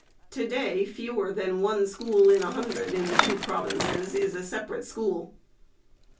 Today fewer than one school in a hundred in the two provinces is a separate school.